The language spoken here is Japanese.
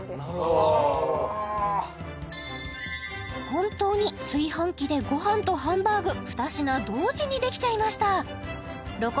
本当に炊飯器でご飯とハンバーグ２品同時にできちゃいました